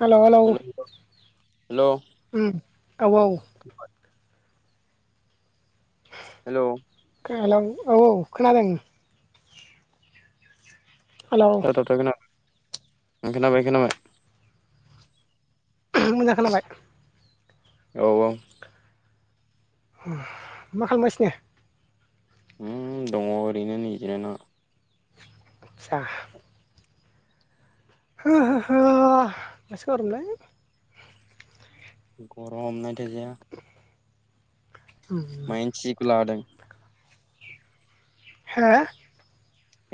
हेल' hello उ हेल' औ औ हेल' हेल' औ औ खोनादों। हेलौ [unintelligible] ओ खोनाबाय खोनाबाय मोजां खोनाबाय औ औ मा खालामबायसि ने दङ ओरैनो नै जिरायना आचा [inaudible] गरम न माइन्सिखौ लादों हा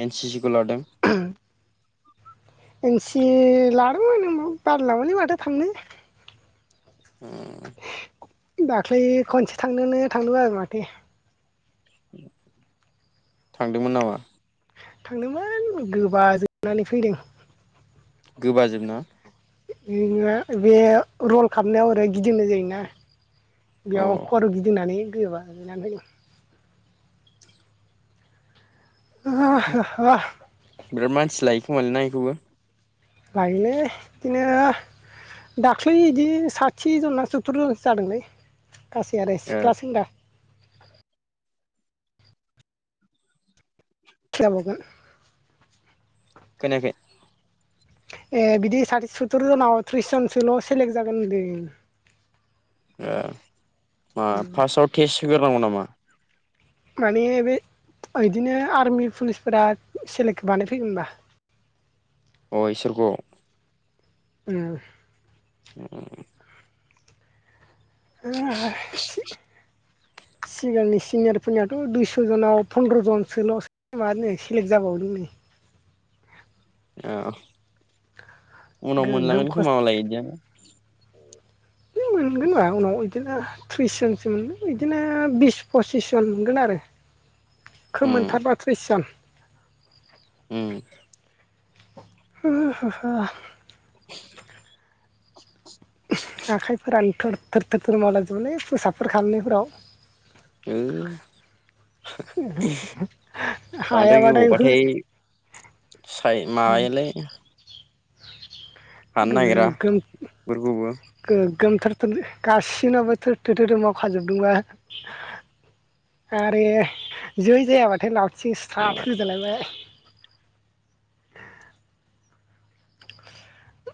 एन सि सिबो लादों इन सि लादों मोन बादाम लांबायलै थांनो दाख्लै खनसे थांनोनो थांदोंबो आरो माथो थांदोंमोन नामा? थांदोंमोन गोबाजोबनानै फैदों। गोबाजोब न बि बे रल खालामारनायाव ओरै गिदिंनाय जायोना अ बेयाव खर' गिदिंनानै गोबा बिनानै होदों [inaudible] बिराद मानसि लायो खोमालाय ना बेखौबो लाायले बिदिनो दाख्लै बिदि साथि जन स्तुर जनसो जादोंलै गासै आरो सिख्ला-सेंग्रा जाबगोन खोनायाखै ए बिदि साथि सथरजनसोआव थ्रिसजनसोआ सेलेग जागोन होनदों ए मा फार्स्टआव टेस्ट होग्रोनांगौ नामा? मानि बे बिदिनो आर्मि पुलिसफोरा सेलेक्ट बानायफैगोन हबा अ इसोरखौ उ ए [inaudible] सिगांनि सिनिअर फोरनाथ' दुयसजनाव पनद्रजनसोल मानो सेलेग जाबावदोंनो बनि औ उनाव गोगोम मोनलांगोन खस्थ' खोया बिदिया मोनगोन मा उनाव बिदिनो थ्रिस जनसो मोनगोन बिदिनो बिस फसिस जन मोनगोन आरो उम खोमोनथारबा थ्रिस जान ओं [inaudible] आखाइफोरानो थोर थोर थोर थोर मावलाजोबोलै फुसाबफोर खालामनायफोराव ऐ बांद्राय हायाबाथाय हो गोबावबाथाय साय मायालाय हाननोगिरा बेफोरखौबो गोगोमथोर गासिनबो थोर थोर थोर थोर मावखाजोबदोंबा आरो जै जायाबाथाय लावथिं स्टार्ट होजालायबाय [inaudible]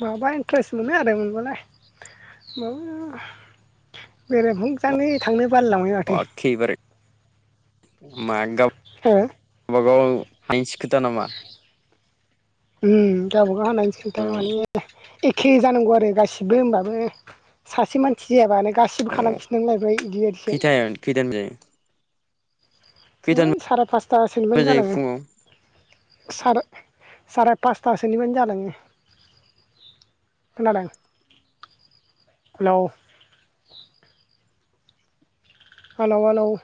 माबा इन्ट्रेस्ट मोनो आरो मोनबालाय माबा बेरे फुजानि थांनो बालायलांबाय माथो खैबार मा गाब हो गाबा गाव हानायनिसो खोथा नामा उम गावबागाव हानाय खोथा माने एखे जानांगौ आरो गासिबो होमबाबो सासे मानसि जायाबानो गासिबो खालामफिननांलायबाय बिदि आरोसो खैथायाव खैथानिफ्राय जायो खैथानिफ्राय साराय पासतासोनिबानो जायो जालाङो फुङाव सार साराय पासथासोनिबो जालाङो खोनादों हेल' हालोव हालोव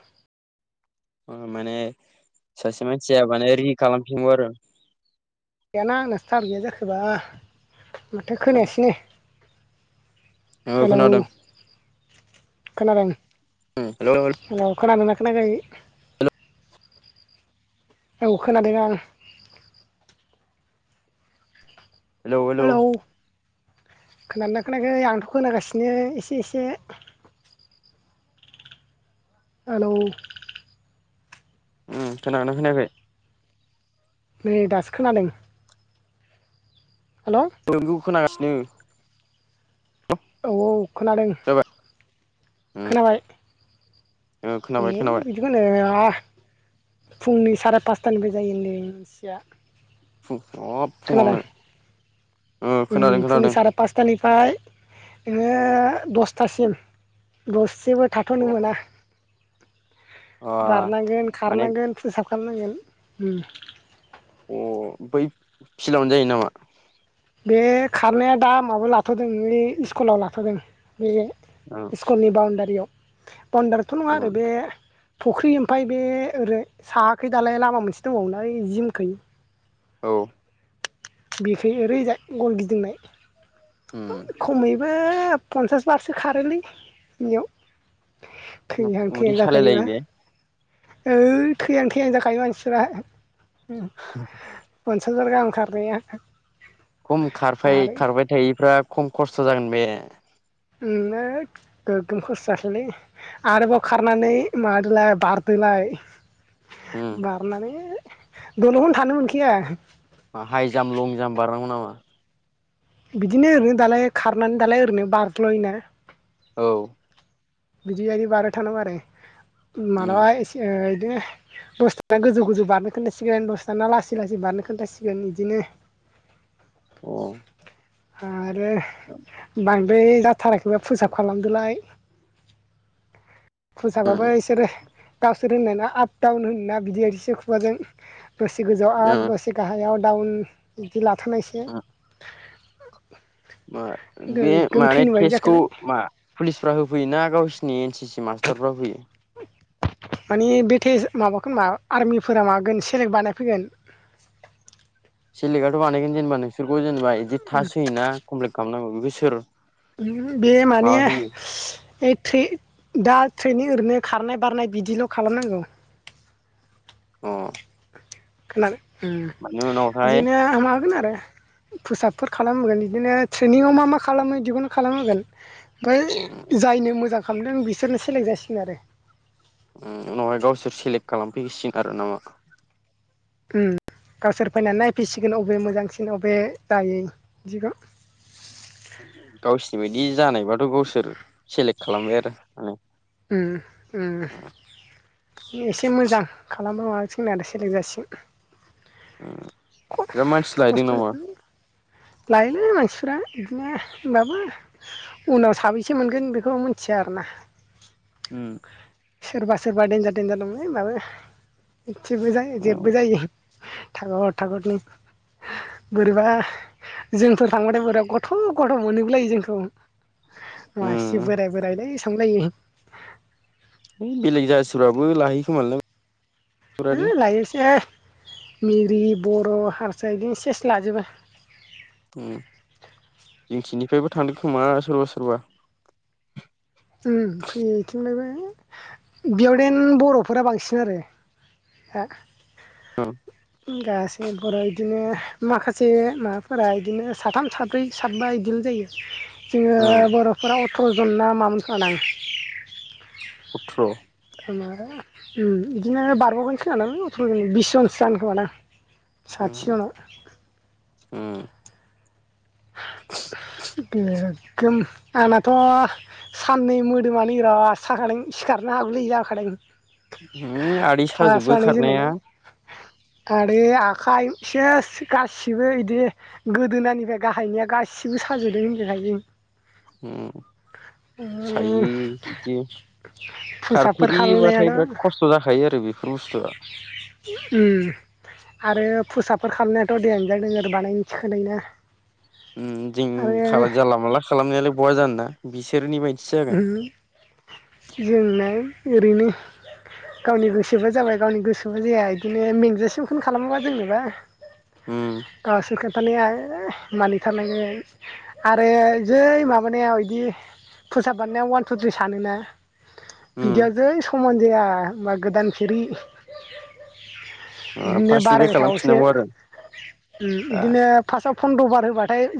ओ सासे मानसिया माने रि खालामफिनगौ आरो दाना आंना स्टार गैया जाखोबा माथो खोनायासनो औ खोनादों खोनादों हेलौ हेलौ हेल' खोनादोंना याखै औ खोनादों आं हेलोव हेलोव खोनानानै खोनायाखै आंथ' खोनागासिनो एसे एसे हेलौ ओम खोनागोना खोनाखै नै दासो खोनादों हेल' नोंनिखौ खोनागासिनो औ औ खोनादों जाबाय खोनाबाय खोनाबाय खोनाबाय अ [unintelligible] फुंनि साराय पासथानिफाय जायो होनदो खोनादों फुङावनो खोनादों ओं फुंनि खोनादों सारे पासथानि ओमफ्राय नोङो दसथासिम दस जेबो थाथ'नो मोना अ बारनांगोन माने अ खारनांगोन फोसाब खालामनांगोन अ बै फिलावनो जायो नामा बे खारनाया दा माबायाव लाथ'दों न स्कुलाव लाथ'दों बे स्कुलनि बाउण्डारियाव पवणडारिथ' नङा आरो बे फुख्रि ओमफफ्राय बे ओरै सायाखै दालाय लामा मोनसे दंबाव नाय जिमखै औ बेखै ओरैजाय गल गिदिंनाय ओम बे पन्सास बारसो खारोलै इयाव औ थैहां उदै थैहां सालायलायो जाखायोबा बे ऐ थैहां थैहां जाखायो मानसिफ्रा फस हाजार गाहाम खारनाया खम [unintelligible] आरो खारबाय थायिफ्रा खम खस्थ' जागोन बे? उम ओ गोगोम खस्थ' जासैलै आरोबाव खारनानै माबादोलाय बारदोलाय। [inaudible] बारनानै दलदखोनो थानो मोनखाया। हाइ जाम्प लं जाम्प बारनांगौ नामा बिदिनो ओरैनो दालाय खारनानै दालाय ओरैनो बारज्ल'यो ना? औ। बिदिबायदि बारबाय थानांगौ आरो उम मालाबा एसे ओ इदिनो दसे थाना गोजौ-गोजौ बारनो खोन्थासिगोन दसे थाना लासै-लासै बारनो खोन्थासिगोन इदिनो अ आरो बांद्राय जाथाराखैबा फुसाब खालामदोलाय। फुसाबाबो उम इसोरो गावसोर होनो ना आप डाउन होनो ना बिदि बायदिसो खुगाजों। दसे गोजौ आप दसे गाहायाव डाउन बिदि लाथ'नायसो मा बे माने थैनो बायदि टेस्टखौ जाखायलाय मा पुलिसफ्रा होफैयोना गावसिनि एन सि सि मासटारफोरा होयो? माने बे टेस्ट माबाखोमा आर्मिफोरा माबागोन सेलेक्ट बानाय फैगोन। [inaudible] सिलेकआथ' बानायगोन जेनेबा नोंसोरखौ जेनेबा इदि थास होयोना कमप्लिट खालामनांगौ बेखौ सोर [unintelligible] बे माने माबा होयो ओद ट्रि दा ट्रेननि ओरैनो खारनाय बारनाय बिदिल' खालामनांगौ। अ खोनादों उम माने उनावहाय इदिनो माबागोन आरो [inaudible] फुसाबफोर खालाम होगोन इदिनो ट्रेनिंआव मा मा खालामो इदिखौनो खालाम होगोन ओमफ्राय जाय नो मोजां खालामदों बिसोरनो सेलेक जासिगोन आरो उम उनावहाय गावसोर सेलेक्ट खालामफैसिगोन आरो न? उम। गावसोर फैनानै नायफैसिगोन अबे मोजांसिन अबे जायै बिदिखौ। सोर सेलेक्ट खालामबाय आरो ओ। उम उम एसे मोजां [unintelligible] जोंना दा सेलेक जासिगोन। बिरात मानसि लाहैदों नामा? खस्थ' लायोलै मानसिफ्रा बिदिनो होनबाबो उनाव साबैसे मोनगोन बेखौ मोनथि या आरो ना? उम सोरबा सोरबा देनजार देनजार दङ'लै होमबाबो इसेबो जायै जेबो जायै। थागर थागरनो। बोरैबा जोंफोर थांबाथाय बोरैबा गथ' गथ' मोनजोबलायो जोंखौ। मा इसे बोराय बोरायलै सानगुलायो। है बेलेग जाथिफ्राबो लाहैयो खोमालै ना है लायोसै मिरि बर' हारसा इदिनो सेस लाजोबो। उम जोंथिनिफ्रायबो थांदों खोमा सोरबा सोरबा? उम फैयो इथिंनिबो बेयावदेन बर'फोरा बांसिन आरो हा औ। उम गासै बर' इदिनो माखासे माबाफोरा इदिनो साथाम साब्रै साबबा इदि जोंङो उम बर'फोरा अथ्र' जन ना मामोन खोमादां? उथ्र' [unintelligible] उम इदिनो बारबावगोन खोमा दां अथ्र'जन बिस जनसो जागोन खोमा दां। साथि उम जनाव उम [unintelligible] गो आंनाथ' साननै मोदोमानो बिराद साखादों सिखारनो हागौलै जाखादों। आदै फार्स्ट साजोबो खारनाया। बानायजेननायना आरो आखाइ सेस गासिबो बिदि गोदोनानिफ्राय। गाहायनाया गासिबो साजोदों होनदोंहाय जों औ उम सायो बिदि फुसाबफोर खारफेरिबाथाय खालामनायाथ' बिराद खस्थ' जाखायो आरो बे - फुसआ आरो फुसाफोर खालामनायाथ' देानोज जादों आरो बानायनो थिखोनाया। उ जों जानला मला खालामनायालाय बहा जान ना बिसोरनि बानसि जोंना ओरैनो गावनि गोसोबो जाबाय गावनि गोसोबो जाया बिदिनो मेंजासेमखौनो खालामोबा जेनेनोबा उम द सोरख थथानाया मानिथारनाय आरो जै माबानाया बिदि फोसाब बारनाया अवान टु थ्रि सानोना उम बिदियाव जै समान। जाया मा गोदान सिरि ओ बिदिनो फार्स्टनिफ्राय बारायथायावसो खालामफिननांगौ आरो आ बिदिनो फासआव फन्द्र' बार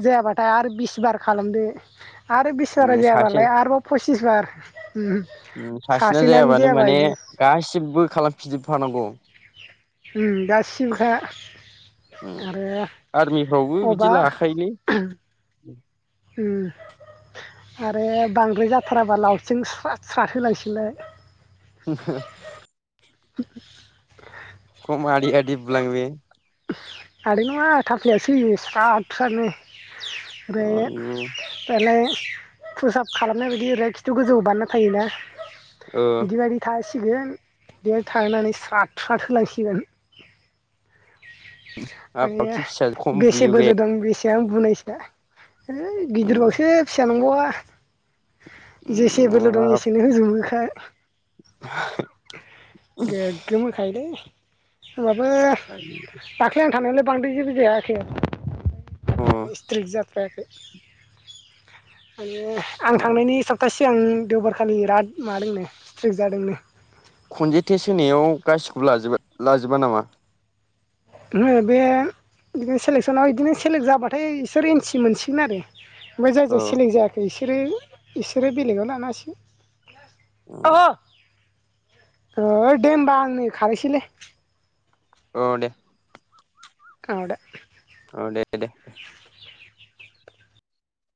ह ज बि बि उम सासे ालाय आरोबाव फसिस बार सासेना सासेनानो जायाबानो जायाबा माने बिदि गासिबो खालामफिजोबफानांगौ। दासिमहाहा उम आरो आर्मिफ्रावबो बिदि अबा लाखायोलै उ आरो बांद्राय जाथाराबा लावथिं स्राथहोलायसैलाय। [inaudible] [inaudible] म आ लाांयो। आरो नङा थाफ्लयासै स्रााद्रादनो। ग फलाय प्रुसाब खालामनाय बायदि ओरै खिथु गोजौआव बारना थायोना ओ बिदि बायदि थसि थ सिसिगोन बेयाव थांनानै स्रााद स्रााद होलायसिगोन। हाब मान पाबखि फिसा खम बेसे बुयो बे बोलो दं बेसे फिसायानो बुनायस है उम गिदिरबावसो फिसा नांगौआ। जेसे बोलो उम दं एसेनो होजोबोखाय। गोग्गोोमोखायोलै। होमबाबो दाख्लै आं थानायलाय बांद्राय जेबो जायाखै। अ स्ट्रिक जाथ्रायाखै मान आं थांनायनि सप्तासे । ए आं देवबारखालि बिराद मादोंनो स्ट्रिक जादोंनो। खनसे टेस्ट होनायाव गासिखौबो लाज लाजोबा नामा? हो बे बिदिनो सेलेकसनाव बिदिनो सेलेक्ट जाबाथाय बिसोर एन्सि मोनसिगोन आरो। ओमफ्राय जाय जाया औ सेलेक्ट जायाखै बिसोरो इसोरो बेलेगाव लानाासै। अहो ओ दे हबा आंनोै खारैसैलै औ दे आद औ दे दे दे